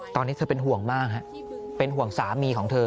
ตอนนี้เธอเป็นห่วงมากฮะเป็นห่วงสามีของเธอ